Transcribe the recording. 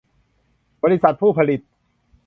บริษัทผู้ผลิต